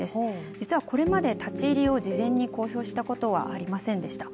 実はこれまで立ち入りを事前に公表したことはありませんでした。